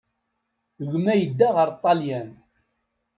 Gma yedda ɣer Ṭṭalyan.